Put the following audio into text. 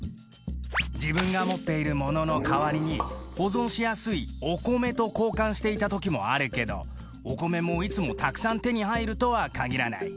自分が持っているものの代わりに保存しやすいお米と交換していたときもあるけどお米もいつもたくさん手に入るとは限らない。